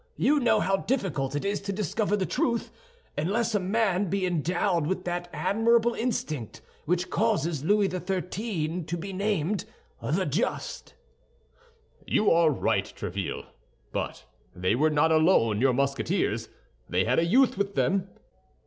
You know how difficult it is to discover the truth; and unless a man be endowed with that admirable instinct which causes Louis XIII. to be named the Just—" "You are right, Tréville; but they were not alone, your Musketeers. They had a youth with them?"